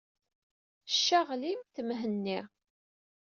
Ccaɣlimt Mhenni.